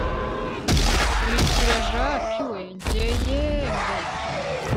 nkurikira jack we! njye yeeeeh! ngo